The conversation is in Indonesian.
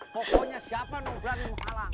pokoknya siapa nunggu berani menghalang